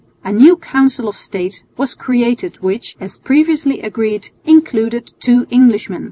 A new Council of State was created which, as previously agreed, included two Englishmen.